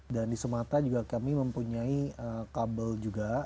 dan di sumatera juga kami mempunyai kabel juga